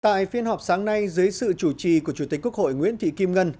tại phiên họp sáng nay dưới sự chủ trì của chủ tịch quốc hội nguyễn thị kim ngân